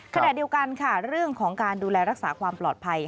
ขณะเดียวกันค่ะเรื่องของการดูแลรักษาความปลอดภัย